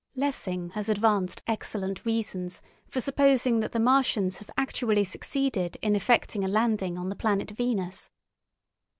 Lessing has advanced excellent reasons for supposing that the Martians have actually succeeded in effecting a landing on the planet Venus.